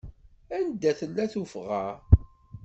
Anda tella tuffɣa?